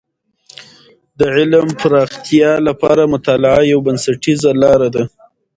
د علم د پراختیا لپاره مطالعه یوه بنسټیزه لاره ده.